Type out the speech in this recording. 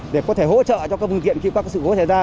để có thể hỗ trợ cho các phương tiện khi các sự vụ xảy ra